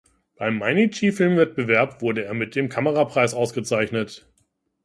Beim Mainichi-Filmwettbewerb wurde er mit dem Kamerapreis ausgezeichnet.